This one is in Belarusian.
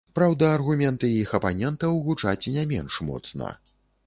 Праўда, аргументы іх апанентаў гучаць не менш моцна.